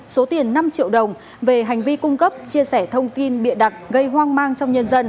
số tiền năm triệu đồng về hành vi cung cấp chia sẻ thông tin bịa đặt gây hoang mang trong nhân dân